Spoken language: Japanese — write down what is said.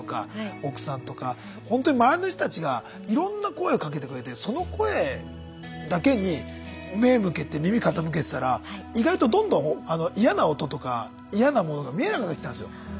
奥さんとか本当に周りの人たちがいろんな声をかけてくれてその声だけに目向けて耳傾けてたら意外とどんどん嫌な音とか嫌なものが見えなくなってきたんですよ。